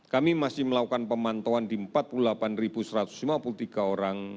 kami masih melakukan pemantauan di empat puluh delapan satu ratus lima puluh tiga orang